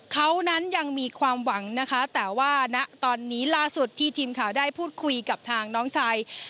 เขานั้นยังมีความหวังนะคะแต่ว่าณตอนนี้ล่าสุดที่ทีมข่าวได้พูดคุยกับทางน้องชาย